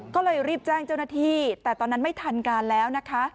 ก็เลยรีบแจ้งเจ้าหน้าที่แต่ตอนนั้นไม่ทันการแล้วนะคะ